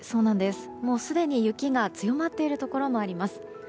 すでに雪が強まっているところもあります。